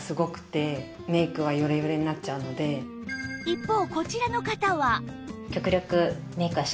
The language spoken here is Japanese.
一方こちらの方は